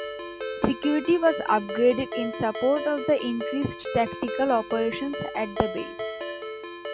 Security was upgraded in support of the increased tactical operations at the base.